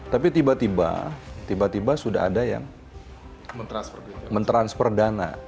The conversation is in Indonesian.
tapi tiba tiba tiba sudah ada yang mentransfer dana